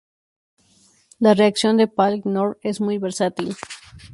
La reacción de Paal-Knorr es muy versátil.